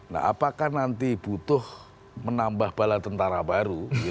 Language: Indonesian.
nah apakah nanti butuh menambah bala tentara baru